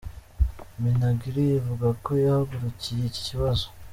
Minagri ivuga ko yahagurukiye iki kibazo.